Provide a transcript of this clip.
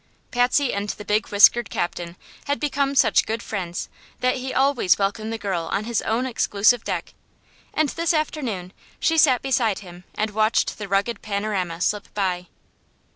Patsy and the big whiskered captain had become such good friends that he always welcomed the girl on his own exclusive deck, and this afternoon she sat beside him and watched the rugged panorama slip by.